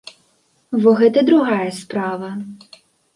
Во гэта другая справа.